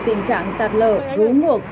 tình trạng sạt lờ rú ngược